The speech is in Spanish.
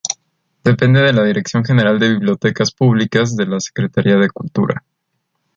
Depende de la Dirección General de Bibliotecas Públicas de la Secretaría de Cultura.